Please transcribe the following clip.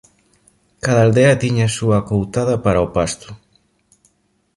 Cada aldea tiña a súa coutada para o pasto.